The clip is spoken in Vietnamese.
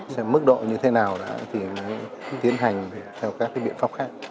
xem mức độ như thế nào đó thì mới tiến hành theo các biện pháp khác